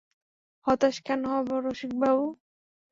হতাশ কেন হব রসিকবাবু?